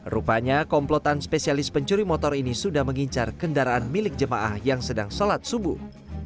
rupanya komplotan spesialis pencuri motor ini sudah mengincar kendaraan milik jemaah yang sedang sholat subuh